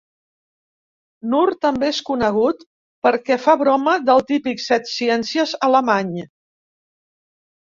Nuhr també és conegut perquè fa broma del típic setciències alemany.